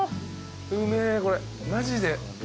うめこれマジで。